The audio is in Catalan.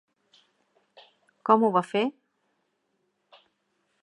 Com ho va fer?